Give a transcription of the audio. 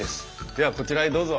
ではこちらへどうぞ。